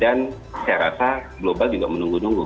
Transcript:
dan saya rasa global juga menunggu nunggu